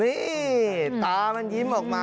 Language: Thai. นี่ตามันยิ้มออกมา